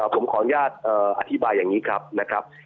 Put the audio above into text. ผมขออนุญาตอธิบายอย่างนี้ครับนะครับ